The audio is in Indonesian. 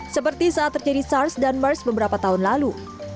seperti saat terjadi sars dan mers beberapa tahun lalu